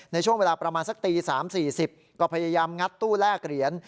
ในช่วงเวลาประมาณสักตี๓๔๐ก็พยายามงัดตู้แลกเหรียญ